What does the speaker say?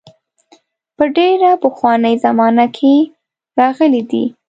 په ډېره پخوانۍ زمانه کې راغلي دي.